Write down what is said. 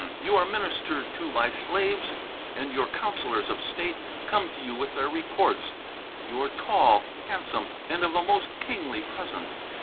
You are ministered to by slaves, and your councillors of state come to you with their reports. You are tall, handsome and of a most kingly presence.